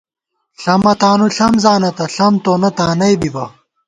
ݪمہ تانُو ݪم زانہ تہ ، ݪم تونہ تانئ بِبہ